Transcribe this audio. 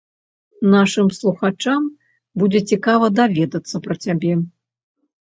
Нашым слухачам будзе цікава даведацца пра цябе.